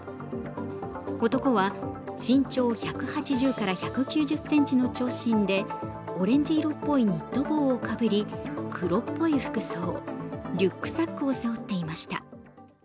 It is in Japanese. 男は身長１８０１９０ｃｍの長身でオレンジ色っぽいニット帽をかぶり黒っぽい服装、リュックサックを背負っていました。